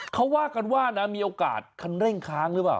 เขาว่ากันว่านะมีโอกาสคันเร่งค้างหรือเปล่า